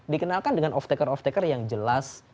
dikenalkan dengan off taker of taker yang jelas